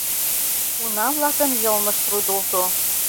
Уна-влакын йылмышт рудылто.